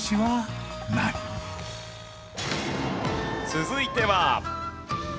続いては。